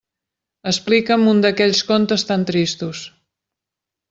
Explica'm un d'aquells contes tan tristos!